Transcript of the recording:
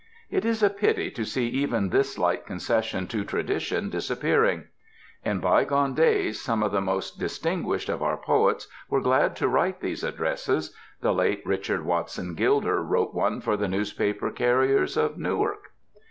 It is a pity to see even this slight concession to tradition disappear ing. In bygone days some of the most distin guished of our poets were glad to write these ad dresses — the late Richard Watson Gilder wrote one for the newspaper carriers of Newark.